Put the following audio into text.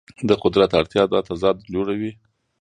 د قدرت اړتیا دا تضاد جوړوي.